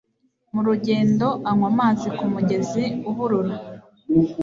mu rugendo anywa amazi ku mugezi uhurura